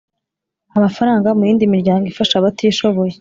amafaranga mu yindi miryango ifasha abatishoboye